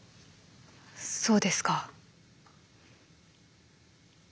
そうですか。